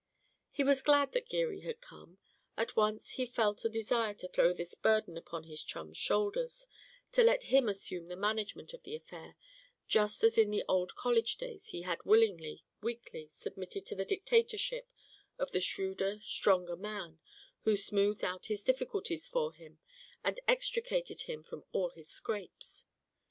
He was glad that Geary had come; at once he felt a desire to throw this burden upon his chum's shoulders, to let him assume the management of the affair, just as in the old college days he had willingly, weakly, submitted to the dictatorship of the shrewder, stronger man who smoothed out his difficulties for him, and extricated him from all his scrapes.